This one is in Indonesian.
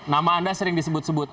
nama anda sering disebut sebut